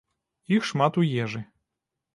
Іх шмат у ежы.